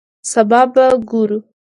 سبا به ګورو